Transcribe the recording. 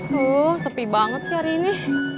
tuh sepi banget sih hari ini